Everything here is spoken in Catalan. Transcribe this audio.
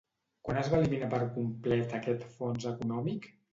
Quan es va eliminar per complet aquest fons econòmic?